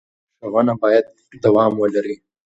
ښوونه باید دوام ولري.